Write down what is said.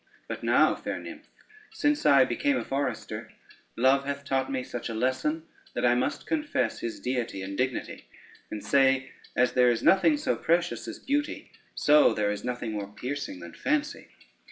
But now, fair nymph, since I became a forester, Love hath taught me such a lesson that I must confess his deity and dignity, and say as there is nothing so precious as beauty, so there is nothing more piercing than fancy.